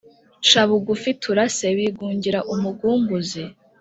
Ca bugufi turase Bigungira-Umugunguzi.